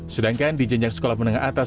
sedangkan di jenjang sekolah menengah atas